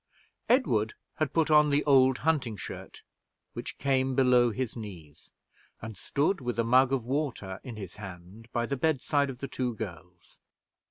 Edward had put on the old hunting shirt, which came below his knees, and stood with a mug of water in his hand by the bedside of the two girls.